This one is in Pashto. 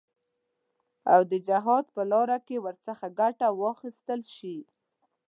او د جهاد په لاره کې ورڅخه ګټه واخیستل شي.